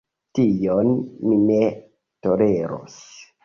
Tion mi ne toleros!